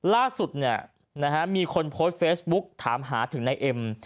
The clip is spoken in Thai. ล่าสุดมีคนโพสต์เฟซบุ๊กถามหาถึงนายเอ็ม